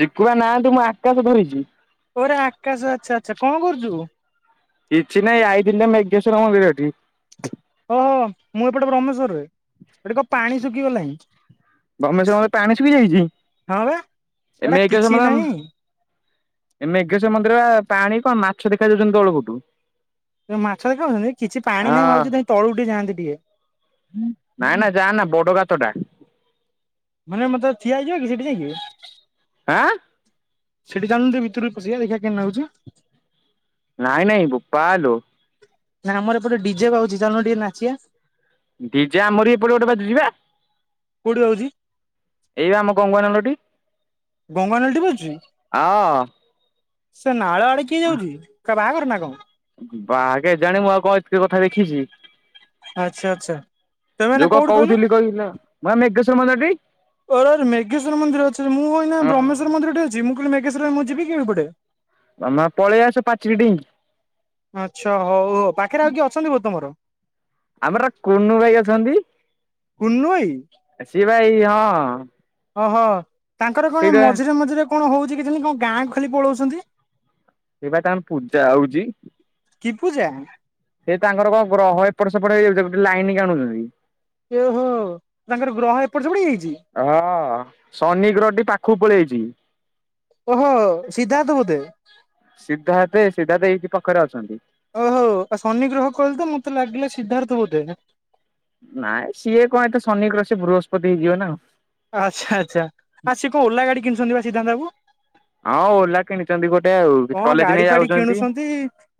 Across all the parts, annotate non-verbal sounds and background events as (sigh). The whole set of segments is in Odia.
ଶିକୁଆ ନାହାନ୍ତି, ମୁଁ ଆକାଶ ଧରିଛି। ଓ ରେ ଆକାଶ, ଆଛା ଆଛା, କଣ କରୁଚୁ? କିଛିନାଇଁ, ଆଇଥିଲି ତ ମେଘେଶ୍ୱର ମନ୍ଦିର ଠି। ଓହୋ, ମୁଁ ଏପଟେ ବ୍ରହ୍ମେଶ୍ୱରରେ, ଏଠି କ ପାଣି ଶୁଖିଗଲାଣିଁ। ବ୍ରହ୍ମେଶ୍ୱର ମନ୍ଦିର ରେ ପାଣି ଶୁଖିଯାଇଛି, ଏ ଏଟା ମେଘେଶ୍ୱର କିଛି ମନ୍ଦିର ଆମ ନାହିଁ। ମେଘଶ୍ୱର ମନ୍ଦିର ବା ପାଣି କଣ, ମାଛ ଦେଖାଯାଉଛନ୍ତି ତଳପଟୁ। ମାଛ ଦେଖାଯାଉଚନ୍ତି, କିଛି ପାଣି ନାହିଁ, ହଁ ଭାବୁଛି ଇ ତଳୁ ଟିକେ ଯାଆନ୍ତି ଟିକେ। ନାଇଁ ନା, ଯା ନା, ବଡ ଗାତଟା। ମାନେ ମତେ ଠିଆ ହେଇଯିବାକି, ସେଠି ଯାଇକି। ଆଁ ସେଠି ଚାଲୁନୁ ଟିକେ ଭିତରୁକୁ ପଶିବା, ଦେଖିବା କେମ ନାଗୁଚି? ନାଇଁ ନାଇଁ, ବୋପା ଆଲୋ। ନା ଆମର ଏପଟେ ଡିଜେ ଗାଉଚି, ଚାଲୁନ ଟିକେ ନାଚିଆ। ଡିିଜେ ଆମର ଏପଟେ ଗୋଟେ ବାଯୁଜିବା କୋଉଠି ରଉଛି? ଏଇ ବା ଆମ କଙ୍ଗାନଳଟି। ଗଙ୍ଗା ନଳୀ ଟି ବାଚୁଛି ଅ ସେ ନାଳ ଆଡେ କିଏ ଯାଉଛି? ବାହାଘର ନା କଣ ବା ଗେ ଏଜାନେ ମୁଁ ଆଉ କଣ ଏତେ କଥା ଦେଖିଛି। ଆଚ୍ଛା ଆଚ୍ଛା। ତମେ ଏଇନା ଯୋଉ କ କୋଉଠି କହିଲୁ କହୁଥିଲି କହିଲ ମ ମେଘେଶ୍ୱର ମନ୍ଦଟି ଓରେ ଓରେ ମେଘେଶ୍ୱର ମନ୍ଦିର ଅଛି ମୁଁ ଅଇନା ବ୍ରହ୍ମେସ୍ୱର ମନ୍ଦିରଟେ ଅଛି ମୁଁ କଇଲି ମେଗେଶ୍ୱରରେ ମୁଁ ଯିବି କେମିପଟେ? ମାମା ପଳେଇ ଆସ ପାଚିରି ଡେଇକି ଆଚ୍ଛା ହଉ ପାଖରେ ଆଉ କି ଅଛନ୍ତି ବୋ ତମର? ଆମର କୁନୁ ଭାଇ ଅଛନ୍ତି କୁନୁ ଭାଇ ସେ ବା ଏଇ ହଁ ଓଃହ ତାଙ୍କର କଣ ସେଇଟା ମଝିରେ ମଝିରେ କଣ ହଉଚି କେଜାଣି କଣ ଗାଁ କୁ ଖାଲି ପଳଉଛନ୍ତି। ଏ ବା ତାନ ପୂଜା ହଉଛି। କି ପୂଜା? ଏ ତାଙ୍କର କ ଗ୍ରହ ଏପଟ ସେପଟ ହେଇଯାଉଛି ଗୋଟେ ଲାଇନିକି ଆଣୁଛନ୍ତି। ଏହୋ ତାଙ୍କର ଗ୍ରହ ଏପଟ ସେପଟ ହେଇଆଇଚି। ଅ ହଁ ଶନି ଗ୍ରହଟି ପାଖକୁ ପଳେଇଛି। ଓହୋ ସିଦ୍ଧାର୍ଥ ବୋଧେ? ସିଦ୍ଧାର୍ଥ ସିଧାର୍ଥ ଏଇକି ପାଖରେ ଅଛନ୍ତି। ଓହୋ ଆ ଶନି ଗ୍ରହ କହିଲେ ତ ମତେ ଲାଗିଲା ସିଦ୍ଧାର୍ଥ ବୋଧେ। ନାଇଁ ସିଏ କ ଏତେ ଶନି କର ସେ ବୃହସ୍ପତି ଗିଅ ନା ଆ ଆଚ୍ଛା ଆଚ୍ଛା ଆ ସିଏ କଣ ଓଲା ଗାଡି କିଣିଛନ୍ତି ବା ସିଦ୍ଧାନ୍ତ ବାବୁ। ହଁ ଓଲା କିଣିଛନ୍ତି ଗୋଟେ ଆଉ କଣ କଲେଜ ଗାଡି ନେଇ ଫାଡି ଯାଉଛନ୍ତି। କିଣୁଛନ୍ତି।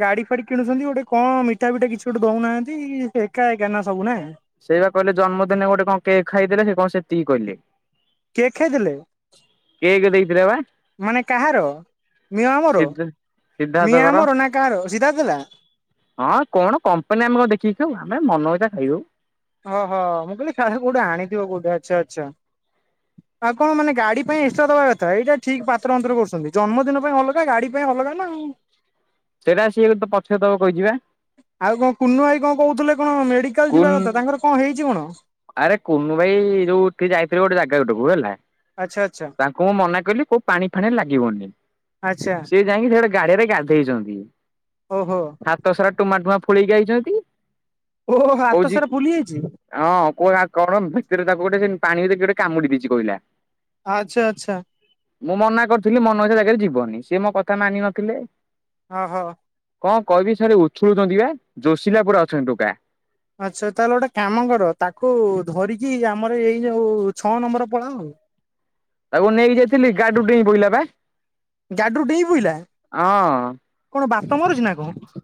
ଗାଡି ପାଡି କିଣୁଛନ୍ତି ଗୋଟେ କଣ ମିଠା ବିଠା କିଛି ଗୋଟେ ଦଉନାହାନ୍ତି ଏକା ଏକାନା ସବୁ ନା। ସେ ବା କହିଲେ ଜନ୍ମଦିନେ ଗୋଟେ କଣ କେକ୍ ଖାଇଦେଲେ ସେ କଣ ସେତିକି କହିଲେ। କେକ୍ ଖାଇଦେଲେ? କେକ୍ ଦେଇଥିଲେ ବା। ମାନେ କାହାର ମିଅମର? ସିଧା ମିଆଁ ସିଦ୍ଧାର୍ଥଙ୍କର ମୋର ନା କା ର ସିଧା ଥିଲା। ହଁ କଣ କମ୍ପାନୀ ଆମେ କ ଦେଖିକିଉ ଆମେ ମନଇଚା ଖାଇଦଉ। ଓହୋ ମୁଁ କିଇଲି କାଳେ କଉଟି ଆଣିଥିବ କଉଟ ଆଚ୍ଛା ଆଚ୍ଛା। ଆ କଣ ମାନେ ଗାଡି ପାଇଁ ଏକ୍ସଟ୍ରା ଦବା କଥା ଏଇଟା ଠିକ ପାତ୍ର ଅନ୍ତର କରୁଛନ୍ତି ଜନ୍ମଦିନ ପାଇଁ ଅଲଗା ଗାଡି ପାଇଁ ଅଲଗା ନା ଆଉ। ସେଇଟା ସିଏ ଗେ ପଛରେଦେବ କହିଛି ବା ଆଉ କଣ କୁନୁ ଭାଇ କଣ କହୁଥିଲେ କଣ ମେଡିକାଲ ଯିବା କଥା କୁନ୍ ତାଙ୍କର କଣ ହେଇଛି କଣ? ଆରେ କୁନୁ ଭାଇ ଯୋଉଠି ଯାଇଥିବ ଗୋଟେ ଜାଗା ଗୋଟକୁ ହେଲା। ଆଚ୍ଛା ଆଚ୍ଛା ତାଙ୍କୁ ମୁଁ ମନା କଲି କୋଉ ପାଣି ଫାଣିରେ ଲାଗିବନି ଆଚ୍ଛା ସେ ଯାଇକି ସେ ଗଟେ ଗାଡିଆରେ ଗାଧେଇଛନ୍ତି। ଓହୋ। ହାତସାରା ଟୁମା ଟୁମାଁ ଫୋଳିକି ଆଇଚନ୍ତି। ଓହୋହୋ ହାତ ସାରା ଫୁଲି ଯାଇଛି? ଆ ହଁ କଆ କଣ ଭିତରେ ତାକୁ ଗୋଟେ ସେ ପାଣି ଭିତରେ କେ ଗୋଟେ କାମୁଡି ଦେଇଛି କହିଲା। ଆଚ୍ଛା ଆଚ୍ଛା। ମୁଁ ମନା କରିଥିଲି ମନ ଇଚ୍ଛା ଜାଗାରେ ଯିବନି ସେ ମୋ କଥା ମାନିନଥିଲେ। ଓ ହୋ। କଣ କହିବି ସାର୍ ଉଛୁଳୁଛନ୍ତି ବା ଯୋଷିଲା ପୁରା ଅଛନ୍ତି ଟୋକା। ଆଚ୍ଛା ତାହେଲେ ଗୋଟେ କାମ କର ତାକୁ ଧରିକି ଆମର ଏଇ ଯୋଉ ଛଅ ନମ୍ବର ପଳାଅ ଆଉ ତାକୁ ନେଇକି ଯାଇଥିଲି ଗାଡିରୁ ଡେଇଁ ପଇଲା ପା ଗାଡିରୁ ଡେଇଁ ପଇଲା ହଁ। କଣ ବାତ ମାରୁଛି ନା କଣ?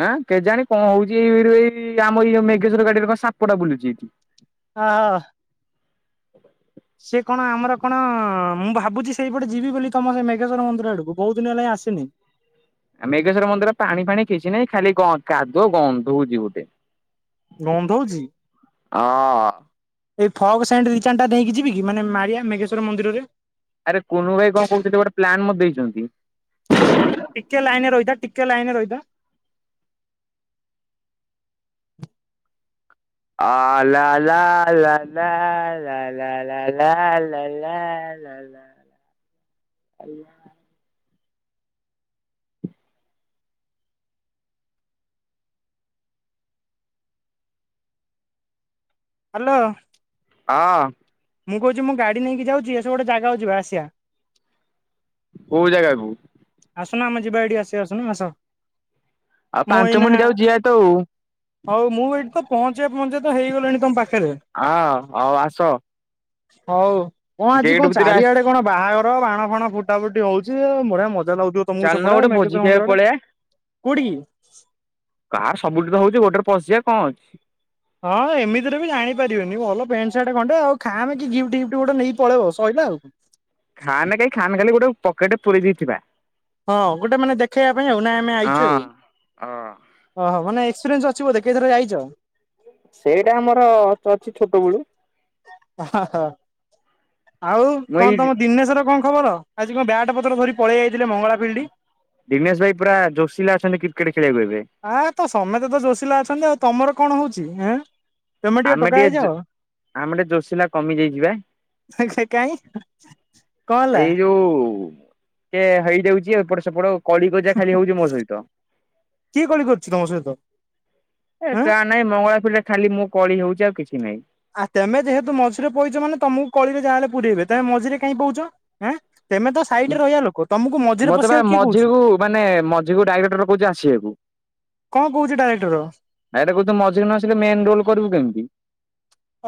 ହଁ କେଜାଣି କଣ ହଉଛି ଏଇ ଏଇ ଆମ ଏଇ ମେଘେ୍ସର୍ ଗାଡିରେ କଣ ସାପଟା ବୁଲୁଛି ଏଇଠି। ହଁ। ସେ କଣ ଆମର କଣ ମୁଁ ଭାବୁଛି ସେଇପଟେ ଯିବି ବୋଲି ତମ ସେ ମେଘେଶ୍ଵର ମନ୍ଦିର ଆଡକୁ ବହୁତ ଦିନ ହେଲା ଆସିନି। ମେଘେଶ୍ୱର ମନ୍ଦିର ପାଣି ଫାଣି କିଛି ନାହିଁ ଖାଲି କାଦୁଅ ଗନ୍ଧଉଛି ଗୋଟେ ଗନ୍ଧଉଛି। ଅ। ଏଇ ଫଗ୍ ସେଣ୍ଟ୍ ଦି ଚାଟା ନେଇକି ଯିବି କି ମାନେ ମାରିଆ ମେଘେଶ୍ୱର ମନ୍ଦିରରେ। ଆରେ କୁନୁ ଭାଇ କଣ କହୁଛନ୍ତି ଗୋଟେ ପ୍ଲାନ ମତେ ଦେଇଛନ୍ତି। ଟିକେ ଲାଇନରେ ରହିଥା ଟିକେ ଲାଇନରେ ରହିଥା। ଅ ଲା ଲା ଲା ଲା ଲା ଲା ଲା ଲା ଲା ଲା। ଲା ଲା ଲା। ହାଲୋ। ହଁ। ମୁଁ କହୁଛି ମୁଁ ଗାଡ଼ି ନେଇକି ଯାଉଛି ଆସ ଗୋଟେ ଜାଗାକୁ ଜିବା ଆସିବା। କୋଉ ଜାଗା କୁ? ଆସୁନା ଆମ ଯିବା ଏଇଠି ଆସ ଆସୁନ ଆସ ଆଉ ମୁଁ ପାଞ୍ଚ ଏଇନା ମିନିଟ୍ ଯାଉ ଯିବା ତ ଆଉ ହଉ ମୁଁ ଏଇଠି ତ ପହଞ୍ଚିଆ ପହଞ୍ଚିଆ ତ ହେଇଗଲିଣି ତମ ପାଖରେ। ହଁ ହଉ ଆସ ହଉ କଣ ଆଜି ଗେଟ୍ କଣ ଭିତରେ ଆସ। ଚାରିଆଡେ କଣ? ବାହାଘର ବାଣ ଫାଣ ଫୁଟା ଫୁଟି ହଉଛି ବଢିଆ ମଜା ଲାଗୁଥିବ। ତମକୁ ଚାଲୁନ ସେପଟେ ଗୋଟେ ଭୋଜି ମେଘେଶ୍ଵର ଖାଇବାକୁ ମନ୍ଦିର ଆଡେ ପଳେଇବା କୋଉଠିକି? କାର୍ ସବୁଠି ତ ହଉଛି ଗୋଟେରେ ପଶିଯିବା କଣ ହଉଛି? ହଁ ଏମିତିରେ ବି ଜାଣିପାରିବେନି ଭଲ ପ୍ୟାଣ୍ଟ ସାର୍ଟ ଖଣ୍ଡେ ଆଉ ଖାମେ କି ଗିଫ୍ଟ ଗିଫ୍ଟ ଗୋଟେ ନେଇ ପଳେଇବ ସଇଲା ଆଉ। ଖାମ କାଇଁ ଖାମ ଖାଲି ଗୋଟେ ପକେଟ ପୁରେଇ ଦେଇଥିବା। ହଁ ଗୋଟେ ମାନେ ଦେଖେଇବା ପାଇଁ ଆଉ ନାଇଁ ଆମେ ଆଇଛୁ ଆଉ ହଁ। ହଁ। ଓହୋ ମାନ ଏକ୍ସପିରିଏନ୍ସ ଅଛି ବୋଧେ କେଇଥର ଯାଇଛ? ସେଇଟା ଆମର ଅଛି ଛୋଟ ବେଳୁ। ଆଉ ମୁଁ କଣ ଏଇ ତମ ଦିନେଶର କଣ ଖବର ଆଜି କଣ ବ୍ୟାଟ ପତର ଧରି ପଳେଇ ଆଇଥିଲେ ମଙ୍ଗଳା ଫିଲ୍ଡ? ଦିନେଶ ଭାଇ ପୁରା ଯୋସିଲ ଅଛନ୍ତି କ୍ରିକେଟ ଖେଳିବାକୁ ଏବେ ଆଁ ତ ସମେତେ ତ ଜୋସିଲା ଅଛନ୍ତି ଆଉ ତମର କଣ ହଉଛି ଏଁ ତମେ ଟିକେ ଆମେ ଟୋକା ଜୋ ହେଇଯାଅ। ଆମେ ଟିକେ ଜୋସିଲା କମି ଯାଇଛିିବା? କାଇଁ କଣ ହେଲା ଏଇ ଯୋଉ ଟିକେ ହେଇଯାଉଛି ଏ ଏପଟ ସେପଟ କଳି କଜିଆ ଖାଲି ହଉଛି ମୋ ସହିତ କିଏ କଳି କରୁଛି ତମ ସହିତ? ଏ ଆଁ? କାଁ ନାହିଁ ମଙ୍ଗଳାପିରରେ ଖାଲି ମୁଁ କଳି ହଉଛି ଆଉ କିଛି ନାହିଁ। ଆ ତମେ ଯେହେତୁ ମଝିରେ ପହୁଛ ମାନେ ତମକୁ କଳିରେ ଯାହା ହେଲେ ପୁରେଇବେ ତମେ ମଝିରେ କାଇହିଁ କହୁଛଁ? ତମେ ତ ସାଇଡରେ ରହିବା ଲୋକ ତମକୁ ମଝିରେ ମତେ ବା ପଶିବାକୁ କିଏ କହୁଛି? ମଝିକୁ ମାନେ ମଝିକୁ ଡାଇରେକ୍ଟର କହୁଛି ଆସିବାକୁ। କଣ କହୁଛି ଡାଇରେକ୍ଟର? ଆଇଟା କହୁ ମଝିରେ ନଆସିଲେ ମେନ ରୋଲ କରିବୁ କେମିତି?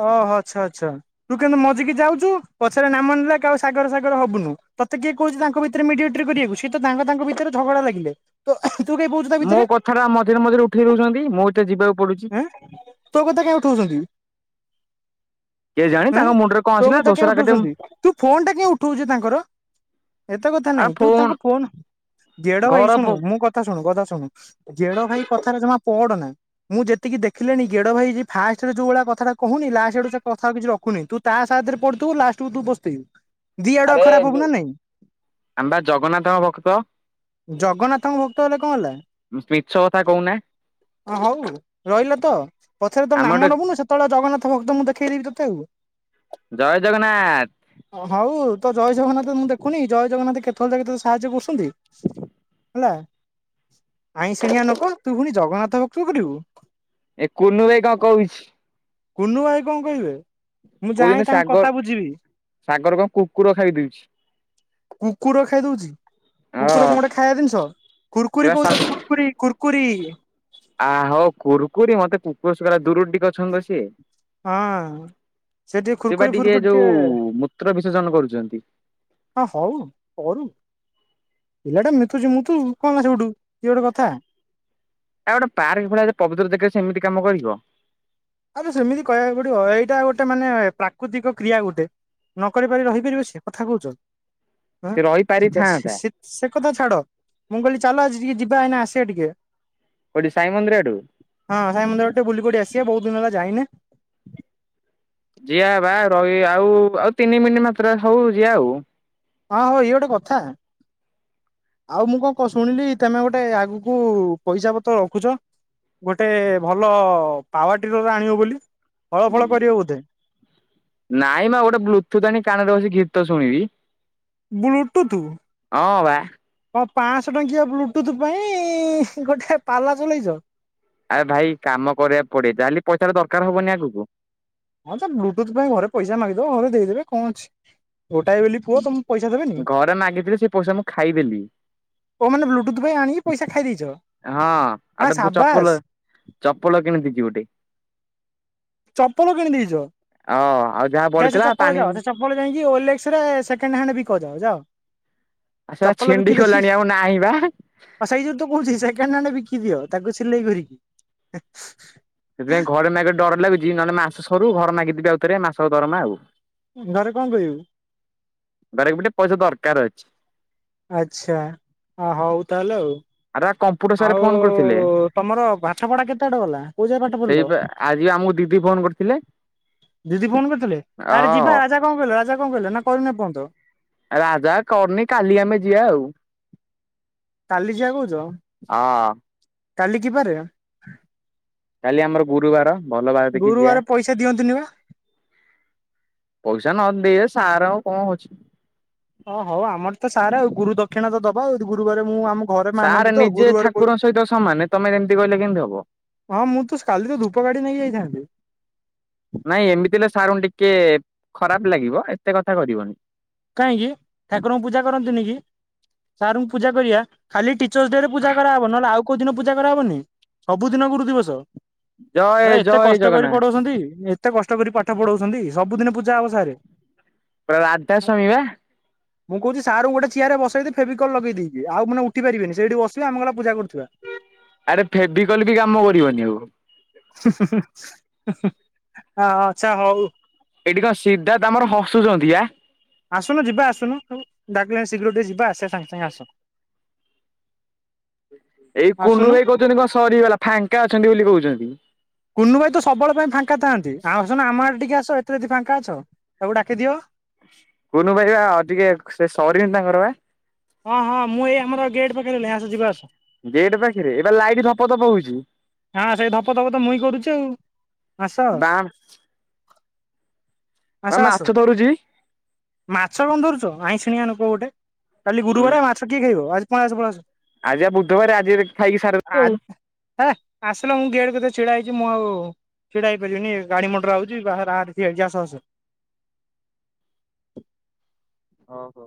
ଓହଃ ଆଛା ଆଛା। ତୁ କିନ୍ତୁ ମଜିକି ଯାଉଛୁ ପଛରେ ନାମ ନେଲେ କୋଉ ସାଗର ସାଗର ହବୁନୁ ତତେ କିଏ କହୁଛି ତାଙ୍କ ଭିତରେ ମିଡିଏଣ୍ଟି କରିବାକୁ ସିଏ ତ ତାଙ୍କ ଭିତରେ ଝଗଡା ଲାଗିଲ ତ ତୁ କେହି କହୁଛୁ ତା ଭିତରେ ଏଥର ମଝିରେ ମଝିରେ ଉଠେଇ ଦୋଉଚନ୍ତି ମୁଁ ଏତେ ଯିବାକୁ ପଡୁଚି। ଆଁ ତୋ କଥା କାଇଁ ଉଠଉଛନ୍ତି? କେଜାଣି ହୁଁ ତାଙ୍କ ମୁଣ୍ଡରେ କଣ ତୋ ଆସିଲା କଥା କାଇଁ ଦୋସରା କାଟିବ ଉଠଉଛନ୍ତି ତୁ ଫୋନ ଟା କାଇଁ ଉଠଉ ଯେ ତାଙ୍କର। ଏତେ କଥା ନାଇଁ ତୁ ତାଙ୍କ ଫୋନ ଗେଡ ଭାଇ ଘର ଶୁଣୁ ମୁଁ କଥା କଥା ଶୁଣୁ କଥା ଶୁଣୁ ଗେଡ଼ ଭାଇ କଥାରେ ଜମା ପଡ ନା। ମୁଁ ଯେତିକି ଦେଖିଲିଣି ଗେଡ ଭାଇ ଫାଷ୍ଟରେ ଯୋଉ ଭଳିଆ କଥାଟା କହୁନି ଲାଷ୍ଟଆଡୁ ସେ କଥା କିଛି ରଖୁନି ତୁ ତା ସାଦରେ ପଡିଥିବୁ ଲାଷ୍ଟକୁୁ ତୁ ପସ୍ତେଇବୁ। ଦି ଆଡୁଆ ଆରେ ଖରାପ ହବୁ ଯୋ ନା ନାଇଁ ଆମବା ଜଗନ୍ନାଥଙ୍କ ଭକ୍ତ। ଜଗନ୍ନାଥଙ୍କ ଭକ୍ତ ହେଲେ କଁ ହେଲା। ମିଛ କଥା କୋହୁନେ। ଅ ହଉ ରହିଲା ତ ପଛରେ ତ ନାମ ନବୁନୁ ସେତେବେଳେ ଜଗନ୍ନାଥ ଭକ୍ତ ମୁଁ ଦେଖେଇଦେବି ତତେ ଆଉ। ଜୟ ଜଗନ୍ନାଥ। ହଉ ତ ଜୟ ଜଗନ୍ନାଥ ମୁଁ ଦେଖୁନି ଜୟ ଜଗନ୍ନାଥ କେତଳେ ଯାଇକି ତତେ ସାହାଯ୍ୟ କରୁଛନ୍ତି। ହେଲା ଆଇଁ ସିଣିଆ ଲୋକ ତୁ ପୁଣି ଜଗନ୍ନାଥ ଭକ୍ତ କରିବୁ। ଏ କୁନୁ ବାଇ କଣ କହୁଛି। କୁନୁ ଭାଇ କଣ କହିବେ। ମୁଁ କୋଉ ଯାଏଁ ଚନୀ ତାଙ୍କ କଥା ସାଗର ବୁଝିବି ସାଗର କଣ କୁକୁର ଖାଇଦଉଚି। କୁକୁର ଖାଇ ଦଉଛି। କୁକୁର ହଁ କଣ ଗୋଟେ ଖାଇବା ଜିନିଷ, ସେ କୁର୍କୁରି ବା କହୁଚନ୍ତି କୁର୍କୁରି କୁର୍କୁରି। ଆ ହୋଉ କୁରୁକୁରି ମତେ କୁକୁର ସୁଗଲା ଦୁରୁରୁ ଟିକେ ଅଛନ୍ତି ତ ସିଏ। ହଁ ଟିକେ ସେ ବା କୁୁରକୁରି ଟିକେ ଫୁୁରକୁରି ଯୋଉ ମୂତ୍ର ବିସର୍ଜନ କରୁଚନ୍ତି। ହଁ ହଉ କରୁ। ପିଲାଟା ମିତୁଛି ମୁତୁ କଣ ସେଇଠୁ ଇଏ ଗୋଟେ କଥା। ଆଉ ଗୋଟେ ପାର୍କ ଭଳିଆ ପବିତ୍ର ଜାଗାରେ ସେ ଏମିତି କାମ କରିବ। ଆଉ ସେମିତି କହିବାକୁ ପଡିବ ଏଇଟା ଗୋଟେ ମାନେ ପ୍ରାକୃତିକ କ୍ରିୟା ଗୋଟେ। ନ କରି ପାରି ରହିପାରିବ ସିଏ କଥା କହୁଚ। ସିଏ ରହିପାରିଥାନ୍ତା। ସେ କଥା ଛାଡ, ମୁଁ କହିଲି ଚାଲ ଆଜି ଟିକେ ଯିବା ଏଇନା ଆସିବା ଟିକେ। କୋଠି ସାଇ ମନ୍ଦିର ଆଡୁ। ହଁ ସାଇ ମନ୍ଦିର ଆଡୁ ବୁଲିିପଡି ଆସିବା ବହୁତ ଦିନ ହେଲା ଯାଇନେ। ଜିଆ ବା ରହ ଆଉ ଆଉ ତିନି ମିନିଟ୍ ମାତ୍ର ହଉ ଯିଆ ଆଉ। ହଁ ହଉ ଇଏ ଗୋଟେ କଥା। ଆଉ ମୁଁ କଣ କ ଶୁଣିଲି ତେମେ ଗୋଟେ ଆଗୁକୁ ପଇସା ପତ୍ର ରଖୁଚ। ଗୋଟେ ଭଲ ପାୱରଟିରର ଆଣିବ ବୋଲି ହଳ ଫଳ କରିବ ବୋଧେ? ନାଇଁ ମା ଗୋଟେ ବ୍ଲୁଟୁଥ ଆଣି କାନରେ ବସି ଗୀତ ଶୁଣିବି। ବ୍ଲୁଟୁତୁ? ହଁ ବା ହଁ ପାଞ୍ଚଶହ ଟଙ୍କିଆ ବ୍ଲୁଟୁଥ ପାଇଁ ଗୋଟେ ପାଲା ଚଲେଇଚ। ଆରେ ଭାଇ କାମ କରିବାକୁ ପଡେ ଯାଲି ପଇସା ଟା ଦରକାର ହବନି ଆଗକୁ। ହଁ ତ ବ୍ଲୁଟୁଥ୍ ପାଇଁ ଘରେ ପଇସା ମାଗିଦବ ଘରେ ଦେଇଦେବେ କଁ ଅଛି। ଗୋଟାଏ ବୋଲି ପୁଅ ତମକୁ ପଇସା ଦେବେନି। ଘରେ ମାଗିଥିଲେ ସେ ପଇସା ମୁଁ ଖାଇଦେଲି ଓ ମାନେ ବ୍ଲୁଟୁଥ ପାଇଁ ଆଣି ପଇସା ଖାଇ ଦେଇଛ। ହଁ ଆ ଆଟେ ସାବାସ୍ ଚପଲ ଚପଲ କିଣିଥିଲି ଗୋଟେ। ଚପଲ କିଣି ଦେଇଛ। ଅ ଆଉ ଯାହା ବଢିଥିଲା ପାଣି ଆପଣ ଯାଇଁକି ଓଲେକ୍ସରେ ସେକଣ୍ଡ ହ୍ୟାଣ୍ଡ୍ ବିିକ ଯାଅ ଯାଅ। ଆ ସେଟା ଛିଣ୍ଡି ଗଲାଣି ଆଉ ନାହିଁ ବା। ସୋଇ ଯୋଗୁତ କହୁଚି ସେକେଣ୍ଡ ହାଣ୍ଡେ ବିକିଦିଅ ତାକୁ ସିଲେଇ କରିକି ସେଥିପାଇଁ ଘରେ ମାଗି ଡର ଲାଗୁଚି ନହେଲେ ମାସରୁ ଘର ମାଗିଥିବି ଆଉଥରେ ମାସ ଦରମା ଆଉ। ଘରେ କଣ କହିବୁ? ବାରେ ଗୋଟେ ପଇସା ଦରକାର୍ ଅଛି। ଆଚ୍ଛା ଆହଉ ତାହେଲେ ଆଉ। ଆରେ କପ୍ ପୁର ସାର୍ ଆଉ ଫୋନ୍ କରଥିଲେ ତମର ପାଠ ପଢା କେତେ ବାଟ ଗଲା କୋଉ ଯାଏ ପାଠ ପଢିଲ ସେଇପା ଆଜି ଆମକୁ ଦିଦି ଫୋନ୍ କରି ଥିଲେ। ଦିଦି ଫୋନ୍ କରିଥିଲେ ଆରେ ଯିବା ଅ ରାଜା କଣ କହିଲା ରାଜା କଣ କହିଲା ନାକଇନି ଏପଯ୍ୟନ୍ତ? ରାଜା କରିନି କାଲି ଆମେ ଯିବା ଆଉ। କାଲି ଯିବା କହୁଚ। ହଁ। କାଲି କିବାରେ? କାଲି ଆମର ଗୁରୁବାର ଭଲ ବାର ଦେଖିକି ଗୁରୁବାର ଯିଆ। ପଇସା ଦିଅନ୍ତିନି ବା ପଇସା ନଦେ ସାର୍ ଆଉ କଣ ହଉଚି। ହଁ ହଉ ଆମରତ ସାର୍ ଆଉ ଗୁରୁ ଦକ୍ଷିଣାତ ଦବା ଆଉ ଗୁରୁବରେ ମୁଁ ଆମ ଘରେ ସାର୍ ମାନନ୍ତି ତ ନିଜେ ଗୁରୁବାର ପ ଠାକୁରଙ୍କ ସହିତ ସମାନ ତମେ ଯେମିତି କହିଲେ କେମିତି ହବ। ହଁ ମୁଁତ କାଲିତ ଧୂପ କାଠି ନେଇକ ଯାଇଥାନ୍ତି। ନାଇଁ ଏମିତିଲେ ସାରୁଙ୍କୁ ଟିକେ ଖରାପ୍ ଲାଗିବ ଏତେ କଥା କରିବନି। କାହିଁକି ଠାକୁରଙ୍କୁ ପୂଜା କରନ୍ତୁନିକି ସାର୍ଙ୍କୁ ପୂଜା କରିବା ଖାଲି ଟି ଟିଚର୍ସଡେରେ ପୂାଜାକରାହବ ନହେଲେ ଆଉ କୋଉ ଦିନ ପୂାଜା କରାହବନି ସବୁ ଦିନ ଗୁରୁ ଦିବସ। ଏ ଜୟ ଏତେ ଜୟ କଷ୍ଟ କରି ଜଗନ୍ନାଥ ପଢଉଛନ୍ତି ଏତେ କଷ୍ଟ କରି ପାଠ ପଢଉଛନ୍ତି ସବୁଦିନ ପୂଜା ହବ ସାରେ। ପୁରା ରାଧା ସାମୀବା। ମୁଁ କହୁଚି ସାରଙ୍କୁ ଗୋଟେ ଚିଆରେ ବସେଇ ଦେଇ ଫେବିକଲ୍ ଲଗେଇଦେବି ଆଉ ମାନ ଉଠିପାରିବେନି ସେଇଠି ବସିବେ ଆମେ ପୂଜା କରୁଥିବା। ଆରେ ଫେବିକଲବି କାମ କରିବନି ଆଉ। ଆଁ ଆଚ୍ଛା ହଉ। ଏଇଠି କଣ ସିଦ୍ଧାର୍ଥ ଆମର ହସୁଚନ୍ତିବା। ଆସୁନୁ ଯିବା ଆସୁନୁ ସବୁ ଡାକିଲେଣି ଶୀଘ୍ର ଟିକେ ଯିବା ଆସିବା ସାଙ୍ଗେ ସାଙ୍ଗେ ଆସ। ଏଇ କୁନୁ ଆସୁନୁ ଭାଇ କହୁଛନ୍ତି କଣ ସରିଗଲା ଫାଙ୍କା ଅଛନ୍ତି ବୋଲି କହୁଚନ୍ତି। କୁନୁ ଭାଇତ ସବୁବେଳେପାଇଁ ଫାଙ୍କା ଥାଆନ୍ତି ଆଉ ଆସୁନ ଆମ ଆଡ଼େ ଟିକେଏ ଆସ ଏତେ ଯଦି ଫାଙ୍କା ଅଛ ତାକୁ ଡାକିଦିଅ। କୁନୁ ଭାଇପା ଟିକେ ସେସରିନି ତାଙ୍କରବା। ହଁ ହଁ ମୁଁ ଏଇ ଆମର ଗେଟ୍ ପାଖରେ ହେଲି ଆସ ଯିବା ଆସ। ଗେଟ୍ ପାଖରେ ଏବେ ଲାଇଟ୍ ଧପ ଧପ ହଉଚି। ହଁ ସେଇ ଧପ ଧପତ ମୁଇଁ କରୁଚି ଆଉ ଆସ। (unintelligible) ଆସ ନା ଆସ ମାଛ ଧରୁଛି। ମାଛ କଣ ଧରୁଛ ଆଇଁ ିଣିଆ ଲୋକ ଗୋଟେ କାଲି ଗୁରୁବାରେ ମା ଛକିଏ ଖାଇବ ଆଜି ପଳିଆସ ପଳିଆସ। ଆଜିବା ବୁଧବାର ଆଜି ଖାଇକି ସାରଦେମି ଆଉ। ହେ ଆସିଲ ମୁଁ ଗେଟ୍ କତିରେ ଛିଡ଼ା ହେଇଚି ମୁଁ ଆଉ ଛିଡ଼ା ହେଇପାରିବିନି ଗାଡ଼ି ମର ଆଉଛି ବାହାର ଠିଆହେଇଛି ଆସ ଆସ। ଓହୋ।